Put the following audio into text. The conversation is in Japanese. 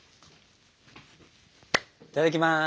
いただきます！